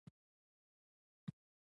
سوله نه وه ټینګه شوې.